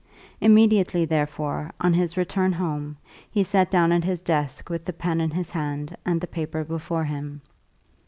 Immediately, therefore, on his return home he sat down at his desk with the pen in his hand and the paper before him.